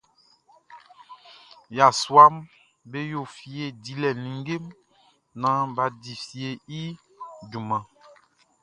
Yasuaʼm be yo fie dilɛ ninnge mun naan bʼa di fieʼn i junman.